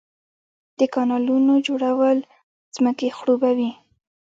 د کانالونو جوړول ځمکې خړوبوي.